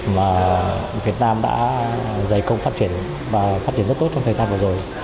mà việt nam đã dày công phát triển và phát triển rất tốt trong thời gian vừa rồi